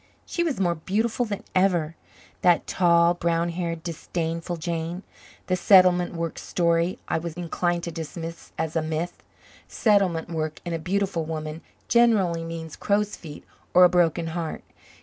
She was more beautiful than ever, that tall, brown haired, disdainful Jane. The settlement work story I was inclined to dismiss as a myth. Settlement work in a beautiful woman generally means crowsfeet or a broken heart.